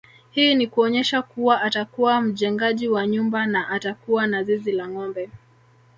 Hii ni kuonyesha kuwa atakuwa mjengaji wa nyumba na atakuwa na zizi la ngombe